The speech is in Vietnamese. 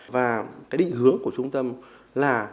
và định hướng của trung tâm là